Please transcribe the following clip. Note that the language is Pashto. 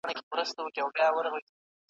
بیا به کله ور ړانده کړي غبرګ لېمه د غلیمانو .